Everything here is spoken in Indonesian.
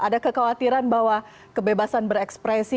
ada kekhawatiran bahwa kebebasan berekspresi